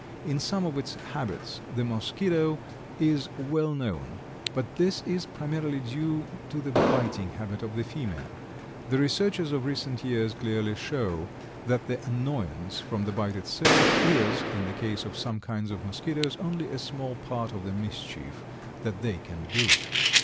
In some of its habits the Mosquito is well known, but this is primarily due to the biting habit of the female. The researches of recent years clearly show that the annoyance from the bite itself, is, in the case of some kinds of Mosquitoes, only a small part of the mischief that they can do.